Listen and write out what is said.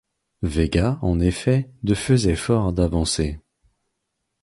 Véga en effet de faisait fort d’avancer.